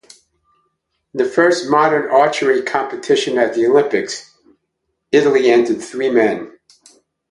In the first modern archery competition at the Olympics, Italy entered three men.